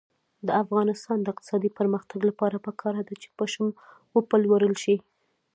د افغانستان د اقتصادي پرمختګ لپاره پکار ده چې پشم وپلورل شي.